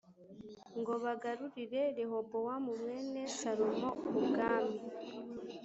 ngo bagarurire Rehobowamu mwene Salomo ubwami